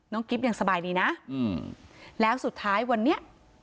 กิ๊บยังสบายดีนะแล้วสุดท้ายวันนี้